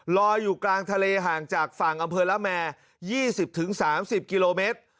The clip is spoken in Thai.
ลอยอยู่กลางทะเลห่างจากฝั่งอำเภอละแมร์๒๐๓๐กิโลเมตร